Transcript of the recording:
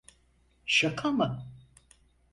Şaka mı?